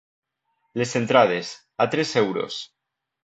Les entrades, a tres euros.